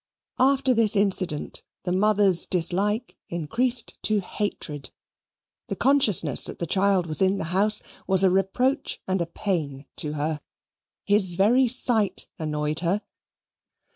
After this incident, the mother's dislike increased to hatred; the consciousness that the child was in the house was a reproach and a pain to her. His very sight annoyed her.